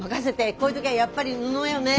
こういう時はやっぱり布よね。